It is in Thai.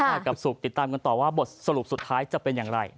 ใช่กับศุกร์ติดตามกันต่อว่าบทสรุปสุดท้ายจะเป็นอย่างไร